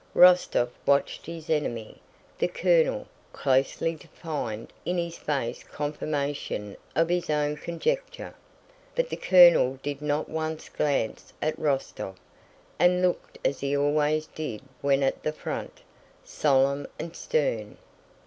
Rostóv watched his enemy, the colonel, closely—to find in his face confirmation of his own conjecture, but the colonel did not once glance at Rostóv, and looked as he always did when at the front, solemn and stern.